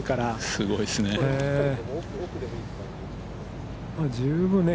すごいですね。